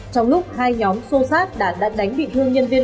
trong lúc hai nhóm xô xát đã đặt đánh bị thương nhân viên